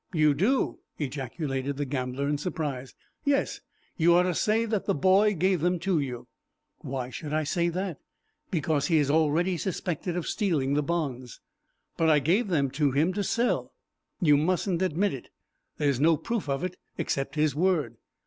"You do!" ejaculated the gambler, in surprise. "Yes. You are to say that the boy gave them to you." "Why should I say that?" "Because he is already suspected of stealing the bonds." "But I gave them to him to sell." "You mustn't admit it. There is no proof of it except his word."